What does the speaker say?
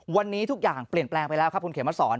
วันนี้ทุกอย่างเปลี่ยนแปลงไปแล้วครับคุณเขมสอน